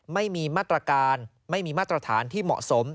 ไม่มีมาตรการไม่มีมาตรฐานที่เหมาะสม